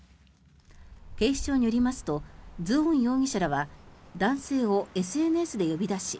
警視庁によりますとズオン容疑者らは男性をＳＮＳで呼び出し